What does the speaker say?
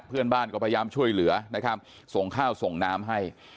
เพื่อนบ้านก็พยายามช่วยเหลือนะครับส่งข้าวส่งน้ำให้